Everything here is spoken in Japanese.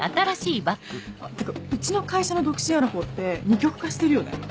ってかうちの会社の独身アラフォーって二極化してるよね。